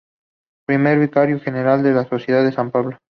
Primer Vicario General de la Sociedad de San Pablo.